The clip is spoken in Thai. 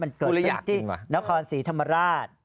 มันเกิดจากที่นครศรีธรรมราช